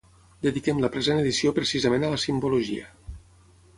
dediquem la present edició precisament a la simbologia